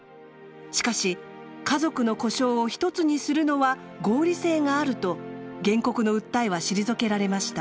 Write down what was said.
しかし「家族の呼称を１つにするのは合理性がある」と原告の訴えは退けられました。